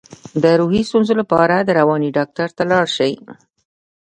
د روحي ستونزو لپاره د رواني ډاکټر ته لاړ شئ